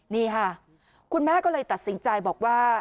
นี่ค่ะคุณแม่ก็เลยตัดสินใจบอกว่า